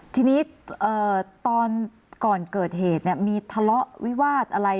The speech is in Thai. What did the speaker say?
ทีนี้ตอนก่อนเกิดเหตุมีทะเลาะวิวาสอะไร